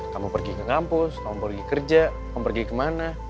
kamu pergi ke kampus kamu pergi kerja kamu pergi kemana